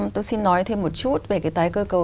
tôi xin nói thêm một chút về cái tái cơ cấu